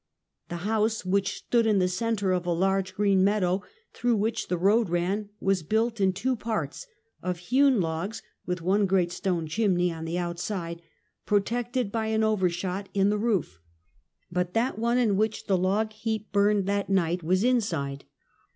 The house, which stood in the center of a large, green meadow, through which the road ran, was built in two parts, of hewn logs, with one great stone chim ney on the outside, protected by an overshot in the roof, but that one in which the log heap burned that night was inside.